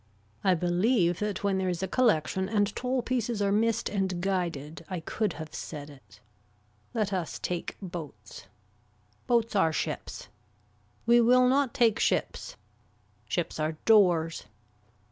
I believe that when there is a collection and tall pieces are missed and guided, I could have said it. Let us take boats. Boats are ships. We will not take ships. Ships are doors.